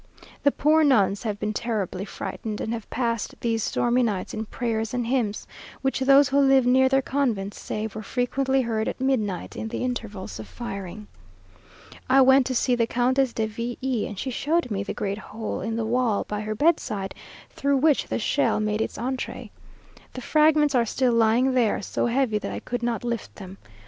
The poor nuns have been terribly frightened, and have passed these stormy nights in prayers and hymns, which those who live near their convents say were frequently heard at midnight, in the intervals of firing. I went to see the Countess de V e, and she showed me the great hole in the wall by her bedside, through which the shell made its entrée. The fragments are still lying there, so heavy that I could not lift them.